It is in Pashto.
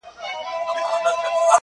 پر کرنگ نيمه دانه هم ډېره ده.